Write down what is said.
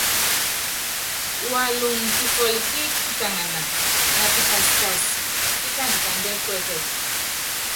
Walɔŋ kifól kí kitaŋana na pikaskás pikand kandɛɛ́ kuɛ́kɛt.